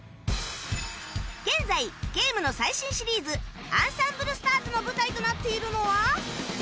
現在ゲームの最新シリーズ『あんさんぶるスターズ！！』の舞台となっているのは